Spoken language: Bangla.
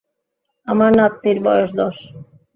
আমার নাতনির বয়স দশ বছর।